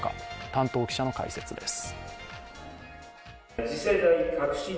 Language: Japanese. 担当記者の解説です。